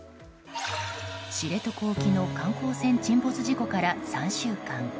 知床沖の観光船沈没事故から３週間。